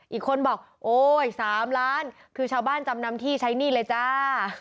อีกคนบอกโอ๊ย๓ล้านคือชาวบ้านจำนำที่ใช้หนี้เลยจ้า